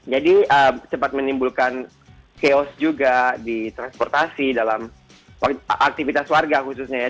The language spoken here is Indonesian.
jadi cepat menimbulkan chaos juga di transportasi dalam aktivitas warga khususnya ya